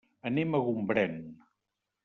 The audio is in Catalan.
Anem a Gombrèn.